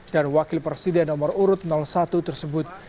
dan wakil presiden nomor urut satu tersebut